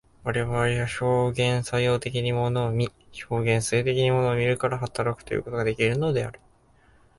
我々は表現作用的に物を見、表現作用的に物を見るから働くということができるのである。